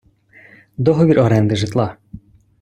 Договір оренди житла.